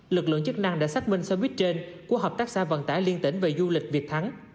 lực lượng chức năng đã xác minh xe buýt trên của hợp tác xã vận tải liên tỉnh về du lịch việt thắng